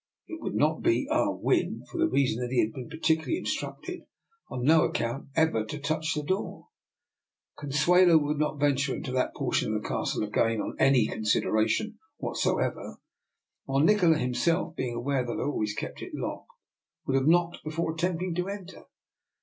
It would not be Ah Win, for the reason that he had been particularly in structed on no account ever to touch the door; Consuelo would not venture into that portion of the Castle again on any considera tion whatsoever; while Nikola himself, being aware that I always kept it locked, would have knocked before attempting to enter.